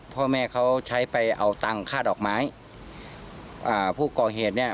พ่อแม่เขาใช้ไปเอาตังค่าดอกไม้อ่าผู้ก่อเหตุเนี่ย